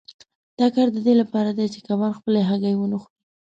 دا کار د دې لپاره دی چې کبان خپلې هګۍ ونه خوري.